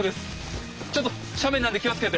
ちょっと斜面なんで気をつけて。